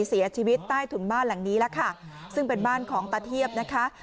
เสียชีวิตใต้ถุนบ้านหลังนี้แล้วค่ะซึ่งเป็นบ้านของตาเทียบนะคะ